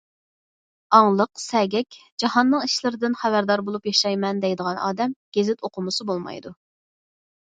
ئاڭلىق، سەگەك،‹‹ جاھاننىڭ ئىشلىرىدىن خەۋەردار بولۇپ ياشايمەن›› دەيدىغان ئادەم گېزىت ئوقۇمىسا بولمايدۇ.